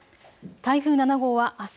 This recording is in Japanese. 台風７号はあす